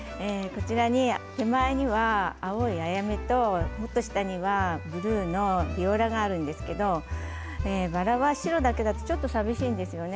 手前には、青いあやめともっと下にはブルーのビオラがあるんですけれどバラは白だけだとちょっとさみしいんですよね。